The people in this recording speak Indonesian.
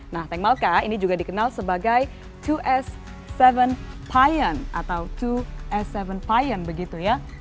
nah tank malka ini juga dikenal sebagai dua s tujuh payan atau dua s tujuh piont begitu ya